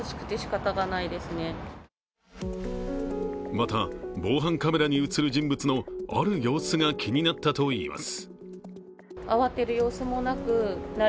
また防犯カメラに映る人物のある様子が気になったといいます。